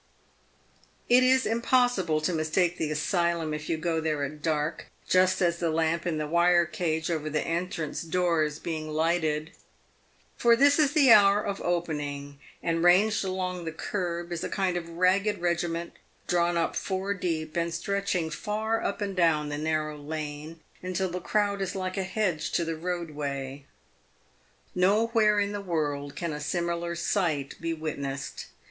It is impossible to mistake the asylum if you go there at dark, just as the lamp in the wire cage over the entrance door is being lighted ; for this is the hour for opening, and ranged along the kerb is a kind PAVED WITH GOLD. 11 of ragged regiment, drawn up four deep, and stretching far up and down the narrow lane, until the crowd is like a hedge to the roadway. Nowhere in the world can a similar sight be witnessed.